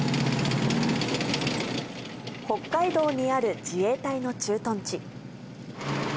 北海道にある自衛隊の駐屯地。